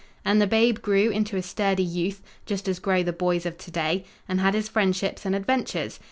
And the babe grew into a sturdy youth, just as grow the boys of today, and had his friendships and adventures.